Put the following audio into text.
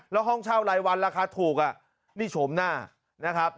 แล้วห้องเช่าไรวันราคาถูกอะนี่โฉมหน้า